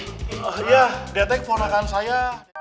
iya detek ponakan saya